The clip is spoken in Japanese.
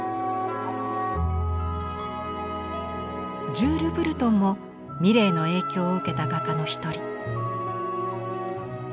ジュール・ブルトンもミレーの影響を受けた画家の一人。